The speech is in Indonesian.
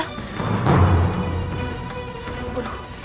asap acunya semakin tebal